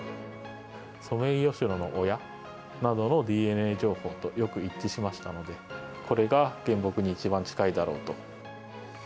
ソメイヨシノの親などのＤＮＡ情報とよく一致しましたので、これが原木に一番近いだろうと。